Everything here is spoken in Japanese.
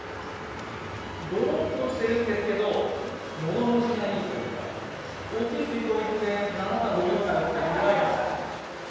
どろっとしてるんですけど喉越しがいいというか大きい水筒いって、何だったら飲みますよぐらいの。